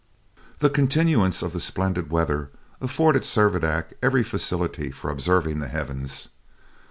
The continuance of the splendid weather afforded Servadac every facility for observing the heavens.